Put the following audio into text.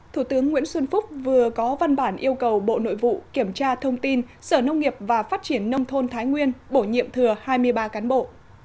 thủ tướng nguyễn xuân phúc vừa có văn bản yêu cầu bộ nội vụ kiểm tra thông tin sở nông nghiệp và phát triển nông thôn thái nguyên bổ nhiệm thừa hai mươi ba cán bộ